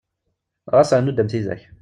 Ɣas rnu-d am tidak!